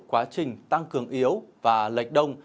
quá trình tăng cường yếu và lệch đông